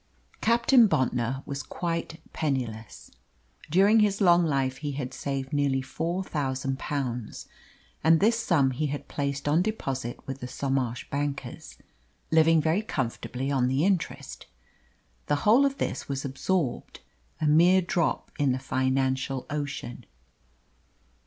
Captain Bontnor was quite penniless. During his long life he had saved nearly four thousand pounds, and this sum he had placed on deposit with the Somarsh bankers, living very comfortably on the interest. The whole of this was absorbed a mere drop in the financial ocean.